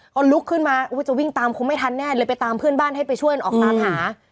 พอลุกขึ้นมาจะวิ่งตามคงไม่ทันแน่เลยไปตามเพื่อนบ้านให้ไปช่วยออกตามหา